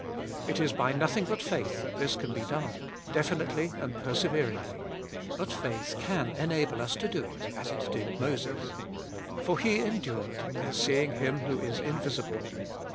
It is by nothing but faith that this can be done, definitely and perse veringly. But faith can enable us to do it, as it did Moses. For he endured, as seeing Him who is invisible.